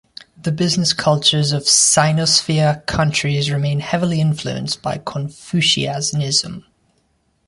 The business cultures of Sinosphere countries remain heavily influenced by Confucianism.